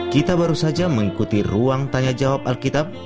kita baru saja mengikuti ruang tanya jawab alkitab